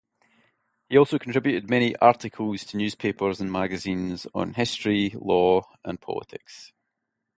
He also contributed many articles to newspapers and magazines on History, Law and politics.